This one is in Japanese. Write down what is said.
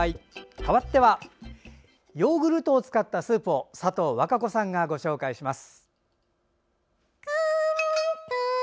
かわってはヨーグルトを使ったスープを佐藤わか子さんがご紹介します。